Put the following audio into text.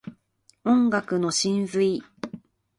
音楽の真髄